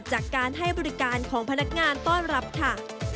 จากการให้บริการของพนักงานต้อนรับค่ะ